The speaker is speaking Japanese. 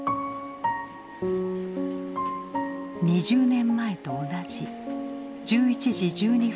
２０年前と同じ１１時１２分藤沢発